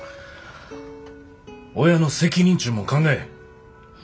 親の責任ちゅうもん考え。